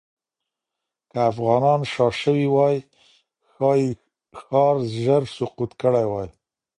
که افغانان شا شوې وای، ښایي ښار ژر سقوط کړی وای.